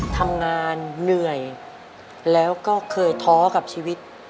ทำงานเหนื่อยแล้วก็เคยท้อกับชีวิต